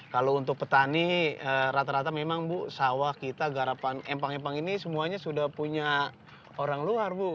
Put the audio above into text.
kalau untuk petani rata rata memang bu sawah kita garapan empang empang ini semuanya sudah punya orang luar bu